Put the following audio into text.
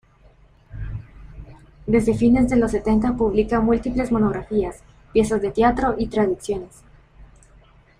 Desde fines de los setenta publica múltiples monografías, piezas de teatro y traducciones.